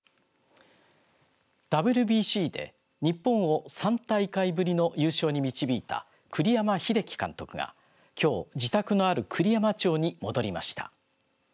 ＷＢＣで日本を３大会ぶりの優勝に導いた栗山英樹監督がきょう自宅のある栗山町に戻りました。